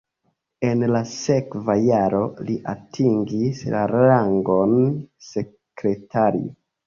En la sekva jaro li atingis la rangon sekretario.